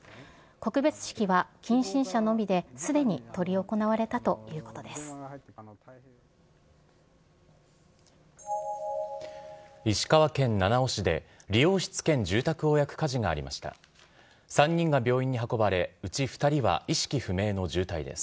告別式は近親者のみですでに執り行われたということです。